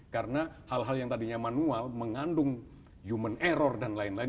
karena hal hal yang tadinya manual mengandung human error dan lain lain